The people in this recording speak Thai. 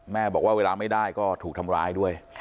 บอกว่าเวลาไม่ได้ก็ถูกทำร้ายด้วย